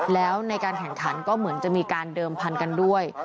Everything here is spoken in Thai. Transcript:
แล้วในการแข่งขันก็เหมือนจะมีการเดิมพันธุ์กันด้วย